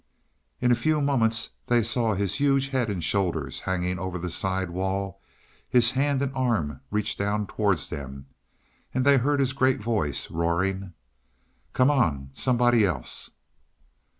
In a few moments they saw his huge head and shoulders hanging out over the side wall; his hand and arm reached down towards them and they heard his great voice roaring. "Come on somebody else."